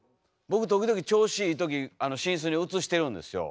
僕時々調子いい時あの寝室に映してるんですよ。